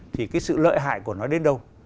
thì cái sự lợi hại của nó đến đâu